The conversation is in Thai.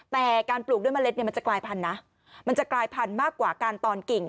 แต่การปลูกด้วยเมล็ดเนี่ยมันจะกลายพันธุ์นะมันจะกลายพันธุ์มากกว่าการตอนกิ่ง